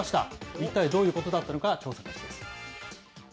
一体どういうことだったのか、調査してきました。